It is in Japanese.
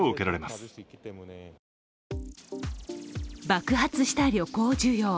爆発した旅行需要。